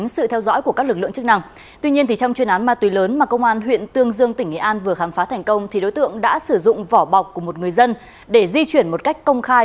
xin chào quý vị và các bạn